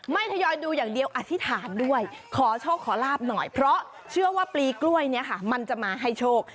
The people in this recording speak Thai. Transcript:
ทยอยดูอย่างเดียวอธิษฐานด้วยขอโชคขอลาบหน่อยเพราะเชื่อว่าปลีกล้วยเนี่ยค่ะมันจะมาให้โชค